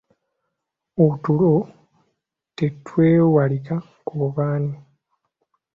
Otulo tetwewalika k'obe ani!